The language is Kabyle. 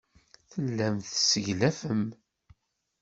Tellam tesseglafem.